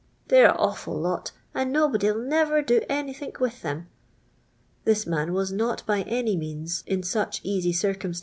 They re a awful lot, and nobody ill niver do any think with them." Q'his m:in was not by any mean* iu such easy clrcumst.